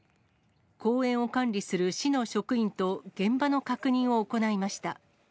公園を管理する市の職員と現場の確認を行いました。